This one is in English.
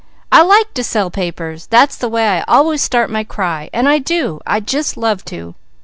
'I like to sell papers!' That's the way I always start my cry, and I do. I just love to.